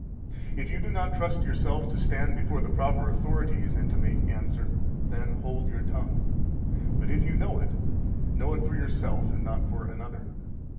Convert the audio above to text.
If you do not trust yourself to stand before the proper authorities and to make answer, then hold your tongue. But if you know it, know it for yourself and not for another.